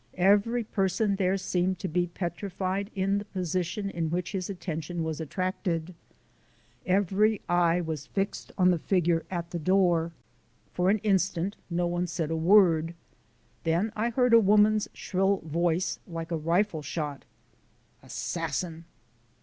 Every person there seemed to be petrified in the position in which his attention was attracted. Every eye was fixed on the figure at the door. For an instant no one said a word; then I heard a woman's shrill voice, like a rifle shot: "Assassin!"